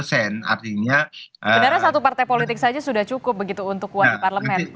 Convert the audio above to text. sebenarnya satu partai politik saja sudah cukup begitu untuk kuat di parlemen